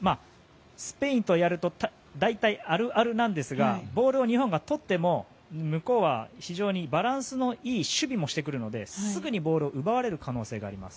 スペインとやると大体あるあるですがボールを日本がとっても向こうは非常にバランスのいい守備もしてくるのですぐにボールを奪われる可能性があります。